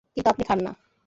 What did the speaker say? কিন্তু আপনি খান না।